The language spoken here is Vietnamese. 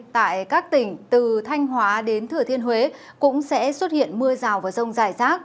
tại các tỉnh từ thanh hóa đến thừa thiên huế cũng sẽ xuất hiện mưa rào và rông dài rác